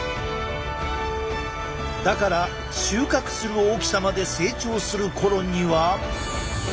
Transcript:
だから収穫する大きさまで成長する頃には。